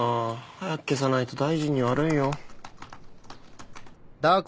早く消さないと大臣に悪いよ。